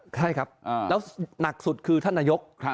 ใช่ครับแล้วหนักสุดคือท่านนายก